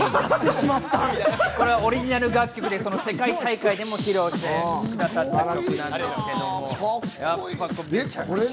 オリジナル楽曲で世界大会でも披露してくださったものです。